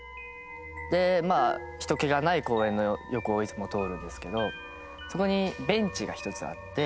でまあ人けがない公園の横をいつも通るんですけどそこにベンチが１つあって。